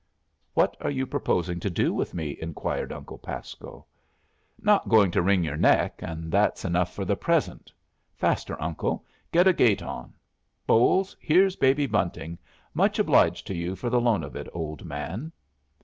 "What are you proposing to do with me?" inquired Uncle Pasco. "Not going to wring your neck, and that's enough for the present. Faster, Uncle. Get a gait on. Bolles, here's Baby Bunting. Much obliged to you for the loan of it, old man."